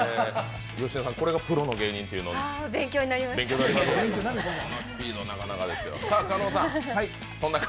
芳根さん、これがプロの芸人ということです。